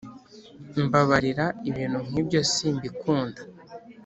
Mbabarira ibintu nkibyo simbikunda